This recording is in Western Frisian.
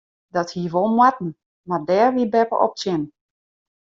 Dat hie wol moatten mar dêr wie beppe op tsjin.